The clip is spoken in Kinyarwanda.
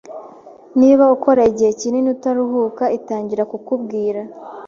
Niba ukora igihe kinini utaruhuka, itangira kukubwira.